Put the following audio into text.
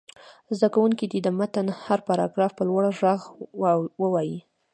زده کوونکي دې د متن هر پراګراف په لوړ غږ ووايي.